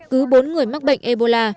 cứ bốn người mắc bệnh ebola